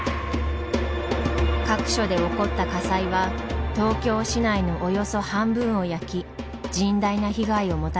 各所で起こった火災は東京市内のおよそ半分を焼き甚大な被害をもたらしました。